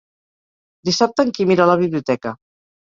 Dissabte en Quim irà a la biblioteca.